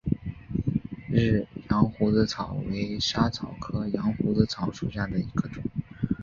日羊胡子草为莎草科羊胡子草属下的一个种。